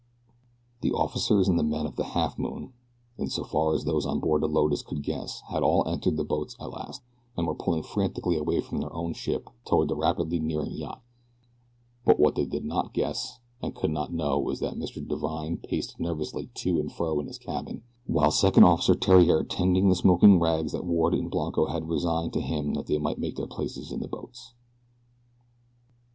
The officers and men of the Halfmoon, in so far as those on board the Lotus could guess, had all entered the boats at last, and were pulling frantically away from their own ship toward the rapidly nearing yacht; but what they did not guess and could not know was that Mr. Divine paced nervously to and fro in his cabin, while Second Officer Theriere tended the smoking rags that Ward and Blanco had resigned to him that they might take their places in the boats.